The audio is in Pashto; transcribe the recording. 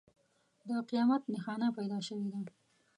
د قیامت نښانه پیدا شوې ده.